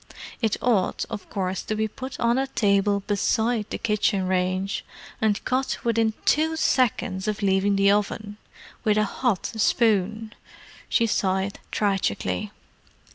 It ought, of course, to be put on a table beside the kitchen range, and cut within two seconds of leaving the oven. With a hot spoon!" She sighed tragically.